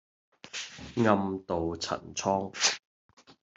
暗渡陳倉